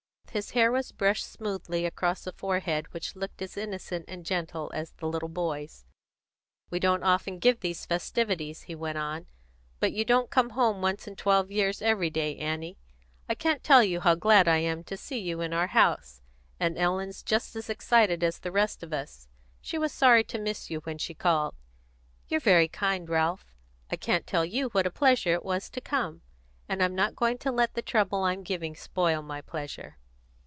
His hair was brushed smoothly across a forehead which looked as innocent and gentle as the little boy's. "We don't often give these festivities," he went on, "but you don't come home once in twelve years every day, Annie. I can't tell you how glad I am to see you in our house; and Ellen's just as excited as the rest of us; she was sorry to miss you when she called." "You're very kind, Ralph. I can't tell you what a pleasure it was to come, and I'm not going to let the trouble I'm giving spoil my pleasure."